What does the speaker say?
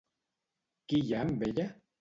Qui hi ha amb ella?